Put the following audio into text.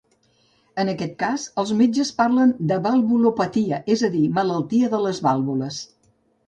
En aquest cas els metges parlen de valvulopatia, és a dir, malaltia de les vàlvules.